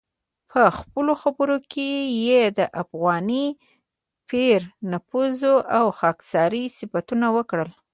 په خپلو خبرو کې یې د افغاني پیر نفوذ او خاکساري صفتونه وکړل.